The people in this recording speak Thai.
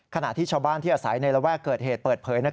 ขณะที่ชาวบ้านที่อาศัยในระแวกเกิดเหตุเปิดเผย